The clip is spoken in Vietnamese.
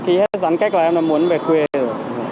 khi hết gián cách là em đã muốn về quê rồi